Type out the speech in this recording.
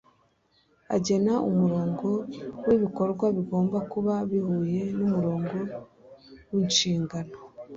agena umurongo wibikorwa bigomba kuba bihuye numurongo winshingano.